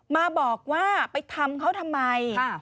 มาบอกว่าไปทำเขาทำไม